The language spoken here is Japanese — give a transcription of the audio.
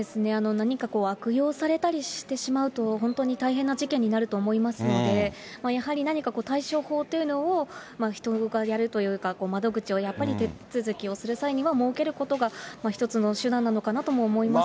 何かこう、悪用されたりしてしまうと、本当に大変な事件になると思いますので、やはり何か対処法というのを、人がやるというか、窓口をやっぱり、手続きをする際には設けることが一つの手段なのかなとも思います